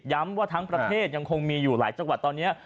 ว่าทั้งประเทศยังคงมีอยู่หลายจังหวัดตอนนี้